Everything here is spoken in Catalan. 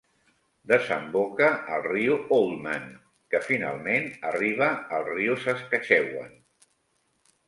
Desemboca al riu Oldman que finalment arriba al riu Saskatchewan.